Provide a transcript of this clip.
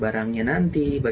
bagaimana mempromosikan barang